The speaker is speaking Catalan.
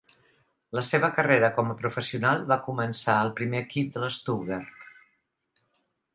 La seva carrera com a professional va començar al primer equip de l'Stuttgart.